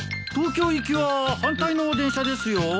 東京行きは反対の電車ですよ。